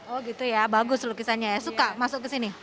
oh gitu ya bagus lukisannya ya suka masuk ke sini